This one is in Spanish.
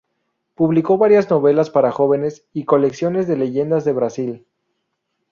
Publicó varias novelas para jóvenes y colecciones de leyendas de Brasil.